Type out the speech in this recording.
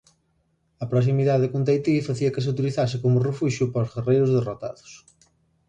A proximidade con Tahití facía que se utilizase como refuxio para os guerreiros derrotados.